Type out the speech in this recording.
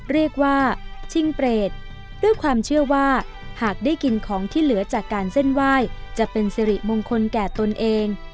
เรียกว่าชิงเปรตด้วยความเชื่อว่าหากได้กินของที่เหลือจากการเส้นไหว้จะเป็นสิริมงคลแก่ตนเอง